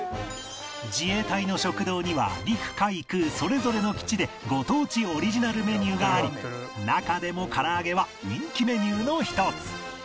自衛隊の食堂には陸海空それぞれの基地でご当地オリジナルメニューがあり中でも空上げは人気メニューの一つ